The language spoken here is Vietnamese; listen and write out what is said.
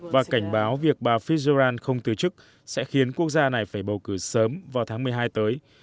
và cảnh báo việc bà fir không từ chức sẽ khiến quốc gia này phải bầu cử sớm vào tháng một mươi hai tới